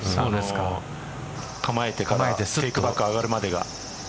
構えてからテークバック上がるまでが。